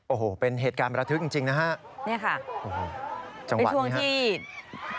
โอ้โหเป็นเหตุการณ์รัฐฤทธิ์จริงจริงนะฮะเนี่ยค่ะจังหวัดนี้ฮะ